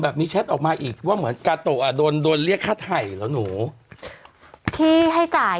มีแชทออกมาอีกว่าเหมือนกาโตะอ่ะโดนโดนเรียกค่าไถ่เหรอหนูที่ให้จ่าย